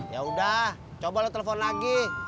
yaudah coba lo telpon lagi